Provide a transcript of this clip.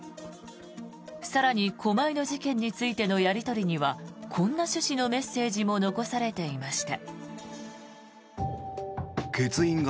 更に、狛江の事件についてのやり取りにはこんな趣旨のメッセージも残されていました。